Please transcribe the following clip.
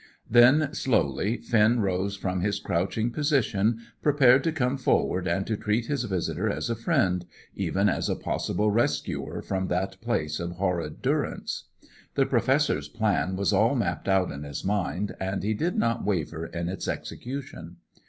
Then, slowly, Finn rose from his crouching position, prepared to come forward and to treat his visitor as a friend, even as a possible rescuer from that place of horrid durance. The Professor's plan was all mapped out in his mind, and he did not waver in its execution.